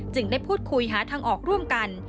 ได้พูดคุยหาทางออกร่วมกัน